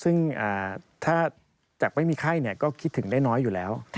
ซึ่งถ้าจากไม่มีไข้ก็คิดถึงได้น้อยอยู่แล้ว